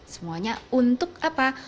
semuanya untuk apa